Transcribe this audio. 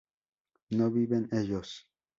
¿no viven ellos?